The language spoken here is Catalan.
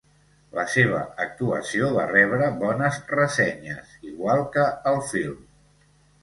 La seva actuació va rebre bones ressenyes, igual que el film.